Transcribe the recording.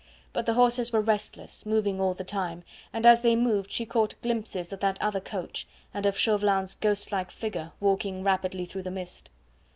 But the horses were restless, moving all the time, and as they moved she caught glimpses of that other coach and of Chauvelin's ghostlike figure, walking rapidly through the mist.